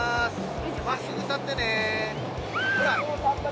まっすぐ立ってね。